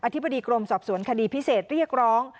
ธิบดีกรมสอบสวนคดีพิเศษเรียกร้อง